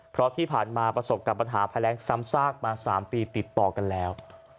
เพราะที่ผ่านมาประสบกับปัญหาภัยแรงซ้ำซากมา๓ปีติดต่อกันแล้ว